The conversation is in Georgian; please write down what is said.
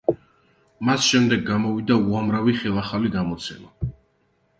მას შემდეგ გამოვიდა უამრავი ხელახალი გამოცემა.